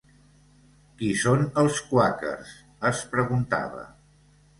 Qui són els quàquers, es preguntava.